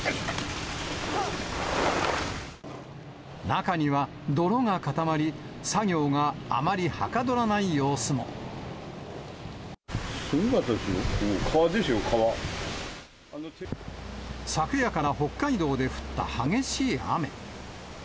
中には泥が固まり、作業があまりすごかったですよ、川ですよ、昨夜から北海道で降った激しい雨。